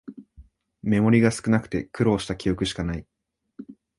メモリが少なくて苦労した記憶しかない